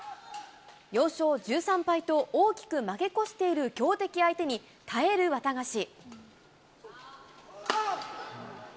４勝１３敗と大きく負け越している強敵相手に、耐えるワタガシ。